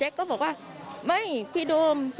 แกะ๊ก็บอกว่ามั๊ยพี่โดม